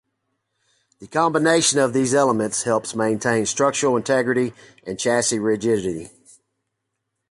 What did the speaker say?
The combination of these elements helps maintain structural integrity and chassis rigidity.